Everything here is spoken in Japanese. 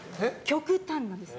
極端なんです。